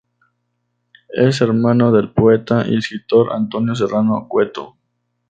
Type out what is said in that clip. Es hermano del poeta y escritor Antonio Serrano Cueto.